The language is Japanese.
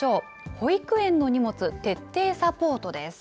保育園の荷物徹底サポートです。